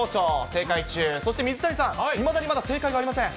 正解中、そして水谷さん、いまだにまだ正解がありません。